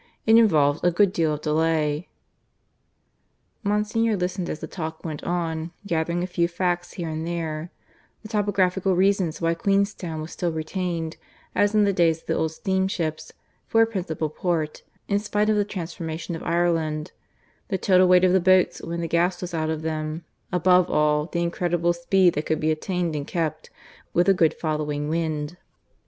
It involves a good deal of delay." Monsignor listened as the talk went on, gathering a few facts here and there the topographical reasons why Queenstown was still retained, as in the days of the old steamships, for a principal port, in spite of the transformation of Ireland; the total weight of the boats when the gas was out of them; above all, the incredible speed that could be attained and kept up, with a good following wind.